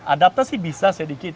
adaptasi bisa sedikit